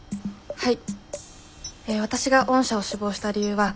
はい。